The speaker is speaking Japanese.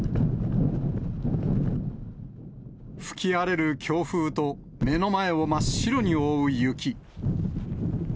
吹き荒れる強風と目の前を真っ白に覆う雪。